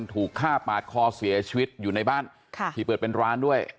ถูกฆ่าปาดคอเสียชีวิตอยู่ในบ้านที่เปิดเป็นร้านด้วย